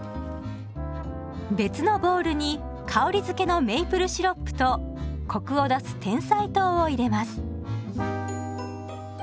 別のボウルに香りづけのメイプルシロップとコクを出すてんさい糖を入れます。